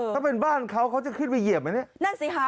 ถ้าเป็นบ้านเขาเขาจะขึ้นไปเหยียบไหม